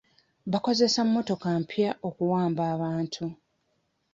Bakozesa emmotoka mpya okuwamba abantu.